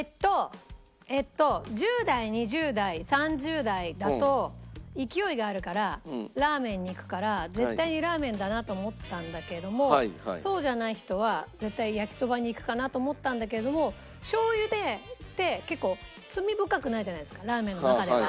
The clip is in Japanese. えっと１０代２０代３０代だと勢いがあるからラーメンにいくから絶対にラーメンだなと思ったんだけどもそうじゃない人は絶対焼きそばにいくかなと思ったんだけれどもしょう油って結構罪深くないじゃないですかラーメンの中では。